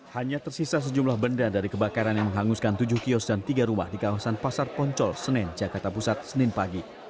hanya tersisa sejumlah benda dari kebakaran yang menghanguskan tujuh kios dan tiga rumah di kawasan pasar poncol senen jakarta pusat senin pagi